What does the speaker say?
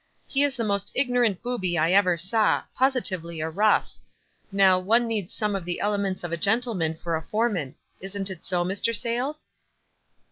He is the most ignorant booby I ever saw — absolutely a rough. Now one needs some of the elements of a gentleman for a foreman. Isn't it so, Mr. Sayles?"